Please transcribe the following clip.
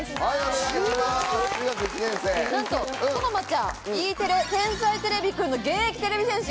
なんとそのまちゃんＥテレ『天才てれびくん』の現役てれび戦士。